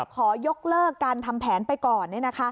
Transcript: ขอยกเลิกการทำแผนไปก่อน